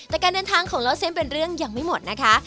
แต่การเดินทางของเล่าเส้นเป็นเรื่องยังไม่หมดนะคะ